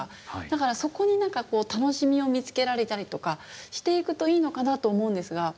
だからそこに何かこう楽しみを見つけられたりとかしていくといいのかなと思うんですが。